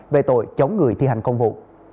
về tội chống người thi hành công vụ